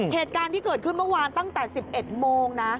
เหตุการณ์ที่เกิดขึ้นเมื่อวานตั้งแต่๑๑โมงนะ